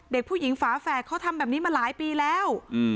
เด็กผู้หญิงฝาแฝดเขาทำแบบนี้มาหลายปีแล้ว